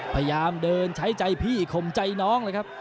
พยายามเดินใช้ใจพี่ข่มใจน้องเลยครับ